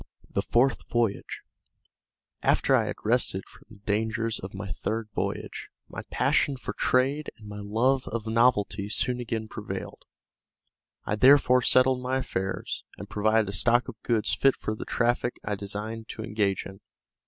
THE FOURTH VOYAGE After I had rested from the dangers of my third voyage, my passion for trade and my love of novelty soon again prevailed. I therefore settled my affairs, and provided a stock of goods fit for the traffic I designed to engage in.